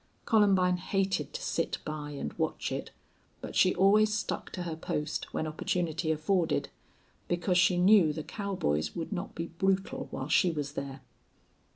Columbine hated to sit by and watch it, but she always stuck to her post, when opportunity afforded, because she knew the cowboys would not be brutal while she was there.